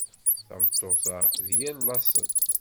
Tameṭṭut-a d yir laṣel.